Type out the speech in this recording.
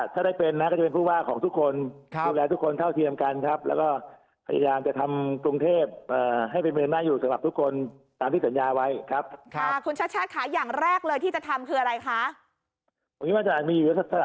สวัสดีค่ะสวัสดีครับสวัสดีครับยินดีกันก่อนเลยนะฮะ